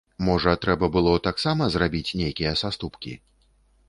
Можа трэба было таксама зрабіць нейкія саступкі?